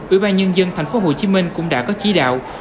ủy ban nhân dân tp hcm cũng đã có chỉ đạo